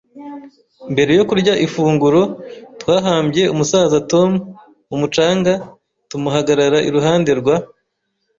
Mbere yo kurya ifunguro twahambye umusaza Tom mumucanga tumuhagarara iruhande rwa